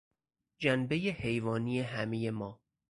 جنبهی حیوانی همهی ما